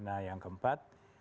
nah yang keempat